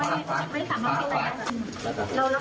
เรานักลูกไม่เท่ากันจริงหรือเปล่า